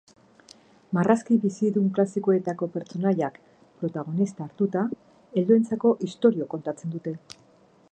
Marrazki bizidun klasikoetako pertsonaiak protagonista hartuta, helduentzako istorio kontatzen dute.